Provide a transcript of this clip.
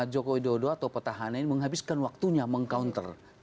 joko widodo atau petahana ini menghabiskan waktunya meng counter